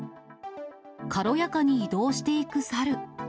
軽やかに移動していくサル。